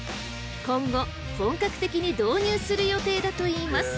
今後本格的に導入する予定だといいます。